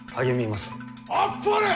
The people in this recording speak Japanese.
あっぱれ！